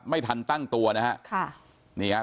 การตั้งตัวนะครับ